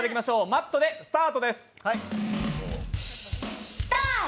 マットでスタートです。